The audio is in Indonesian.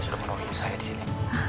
sudah menemani ibu saya disini